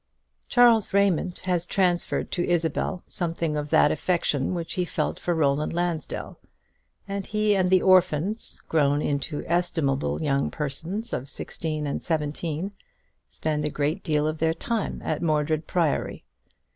Charles Raymond has transferred to Isabel something of that affection which he felt for Roland Lansdell; and he and the orphans, grown into estimable young persons of sixteen and seventeen, spend a great deal of their time at Mordred Priory.